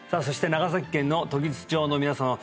そして長崎県の時津町の皆様